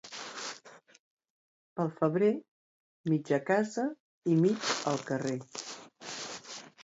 Pel febrer, mig a casa i mig al carrer.